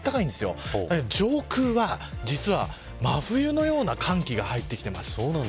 実は上空は真冬のような寒気が入ってきています。